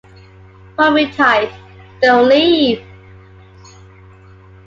Hold me tight, don’t leave.